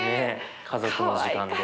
家族の時間で。